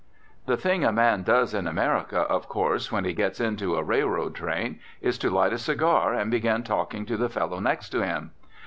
The thing a man does in America, of course, when he gets into a railroad train is to light a cigar and begin talking to the fellow next to him.